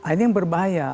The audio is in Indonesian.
ini yang berbahaya